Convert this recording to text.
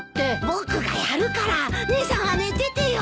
僕がやるから姉さんは寝ててよ。